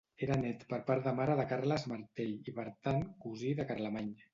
Era nét per part de mare de Carles Martell i per tant, cosí de Carlemany.